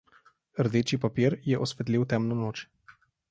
Rdeči papir je osvetlil temno noč.